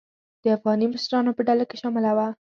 د افغاني مشرانو په ډله کې شامله وه.